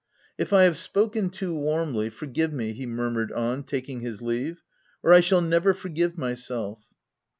u If I have spoken too warmly, forgive me," he murmured on taking his leave, " or I shall never forgive myself."